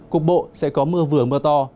cục bộ sẽ có mưa vừa mưa to